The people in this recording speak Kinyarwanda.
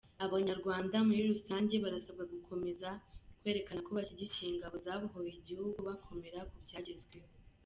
Abanyarwanda muri rusange barasabwa gukomeza kwerekana ko bashyigikiye ingabo zabohoye igihugu bakomera ku byagezweho.